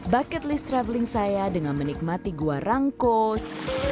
bucket list traveling saya dengan menikmati gua rangkot